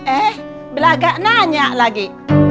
eh belagak nanya lagi